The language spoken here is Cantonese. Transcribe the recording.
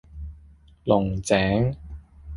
龍井